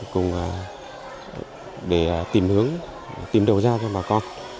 cùng để tìm hướng tìm đầu ra cho bà con